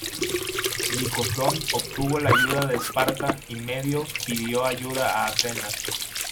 Licofrón obtuvo la ayuda de Esparta y Medio pidió ayuda a Atenas.